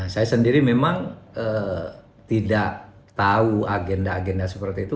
saya sendiri memang tidak tahu agenda agenda seperti itu